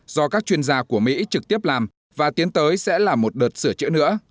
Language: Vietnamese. do các chuyên gia của mỹ trực tiếp làm và tiến tới sẽ là một đợt sửa chữa nữa